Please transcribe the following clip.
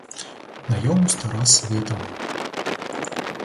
На йому — стара свита.